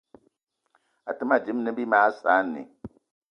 Àtə́ mâ dímâ ne bí mag saanì